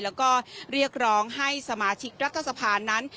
แล้วก็เรียกร้องให้สมาชิกรัฐสภานั้น